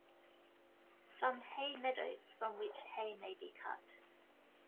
Some Hay meadow from which Hay may be cut.